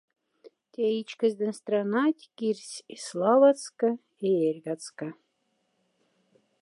Тя ичкоздень странать кирсь и славацка, и эрьгацка.